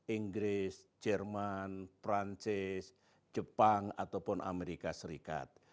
inggris jerman perancis jepang ataupun amerika serikat